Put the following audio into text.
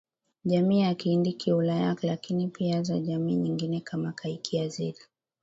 jamii ya Kihindi Kiulaya lakini pia za jamii nyingine kama Kiazeri